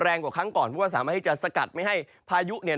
กว่าครั้งก่อนเพราะว่าสามารถที่จะสกัดไม่ให้พายุเนี่ย